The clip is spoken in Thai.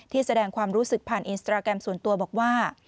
แสดงความรู้สึกผ่านอินสตราแกรมส่วนตัวบอกว่า